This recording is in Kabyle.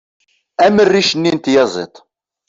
am rric-nni n tyaziḍt